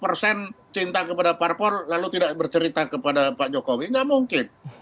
lima puluh persen cinta kepada parpol lalu tidak bercerita kepada pak jokowi nggak mungkin